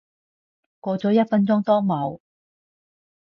過咗一分鐘都冇